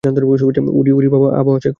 উরি বাবা উরি বাবা, আবহাওয়া চেক করলে না কেন?